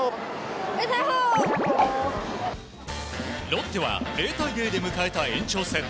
ロッテは０対０で迎えた延長戦。